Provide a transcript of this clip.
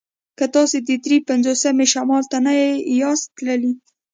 که تاسې د دري پنځوسمې شمال ته نه یاست تللي